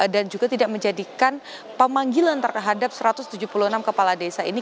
dan juga tidak menjadikan pemanggilan terhadap satu ratus tujuh puluh enam kepala desa ini